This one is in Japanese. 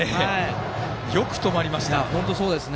よく止まりました。